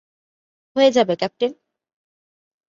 হয়ে যাবে, ক্যাপটেন।